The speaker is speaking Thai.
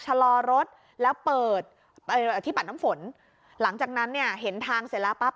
ชะลอรถแล้วเปิดที่ปัดน้ำฝนหลังจากนั้นเนี่ยเห็นทางเสร็จแล้วปั๊บ